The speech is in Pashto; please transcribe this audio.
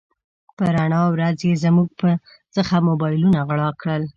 په رڼا ورځ يې زموږ څخه موبایلونه غلا کړل.